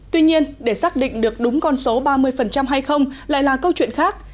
tuy nhiên để xác định được đúng con số ba mươi hay không lại là câu chuyện khác